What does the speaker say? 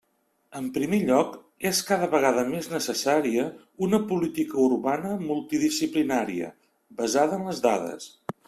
En primer lloc, és cada vegada més necessària una política urbana multidisciplinària basada en les dades.